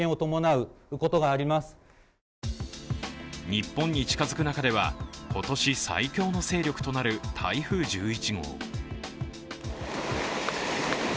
日本に近づく中では、今年最強の勢力となる台風１１号。